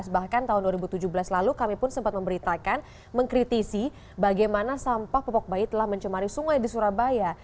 bahkan tahun dua ribu tujuh belas lalu kami pun sempat memberitakan mengkritisi bagaimana sampah popok bayi telah mencemari sungai di surabaya